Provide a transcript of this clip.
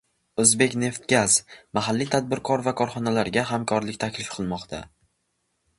«O‘zbekneftgaz» mahalliy tadbirkor va korxonalarga hamkorlik taklif qilmoqda